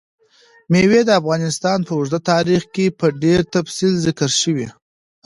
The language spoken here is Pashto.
مېوې د افغانستان په اوږده تاریخ کې په ډېر تفصیل ذکر شوي.